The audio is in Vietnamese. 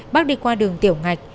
bác đi qua đường tiểu ngạch